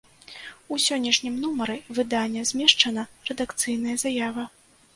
У сённяшнім нумары выдання змешчана рэдакцыйная заява.